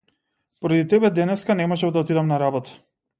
Поради тебе денеска не можев да отидам на работа.